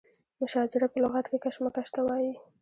مشاجره په لغت کې کشمکش ته وایي.